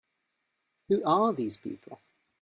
Who are these people?